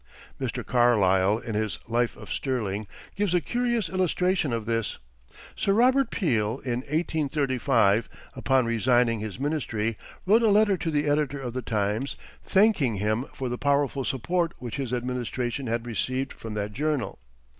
Mr. Carlyle, in his "Life of Sterling," gives a curious illustration of this. Sir Robert Peel, in 1835, upon resigning his ministry, wrote a letter to the editor of "The Times," thanking him for the powerful support which his administration had received from that journal.